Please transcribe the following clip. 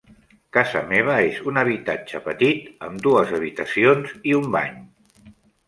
Casa meva és un habitatge petit amb dues habitacions i un bany.